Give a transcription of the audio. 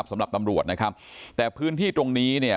สำหรับตำรวจนะครับแต่พื้นที่ตรงนี้เนี่ย